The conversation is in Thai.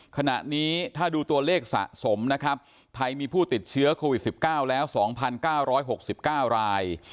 ขณะนี้ถ้าดูตัวเลขสะสมนะครับไทยมีผู้ติดเชื้อโควิด๑๙แล้ว๒๙๖๙ราย